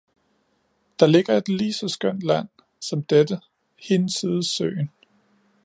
der ligger et lige så skønt land, som dette, hin side søen.